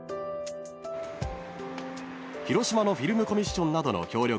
［広島のフィルムコミッションなどの協力の下